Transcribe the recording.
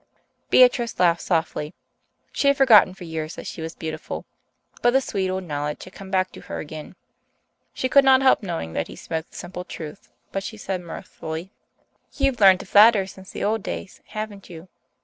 Beatrice laughed softly. She had forgotten for years that she was beautiful, but the sweet old knowledge had come back to her again. She could not help knowing that he spoke the simple truth, but she said mirthfully, "You've learned to flatter since the old days, haven't you?